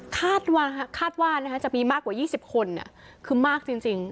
คาดว่าจะมีมากกว่า๒๐คนคือมากจริง